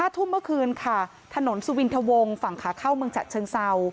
ทุ่มเมื่อคืนค่ะถนนสุวินทะวงฝั่งขาเข้าเมืองฉะเชิงเศร้า